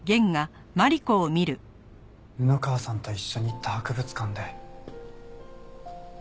布川さんと一緒に行った博物館で。